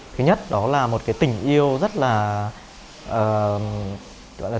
thứ nhất đó là một cái tình yêu rất là